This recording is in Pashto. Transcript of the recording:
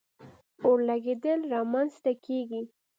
اور لګېدل را منځ ته کیږي.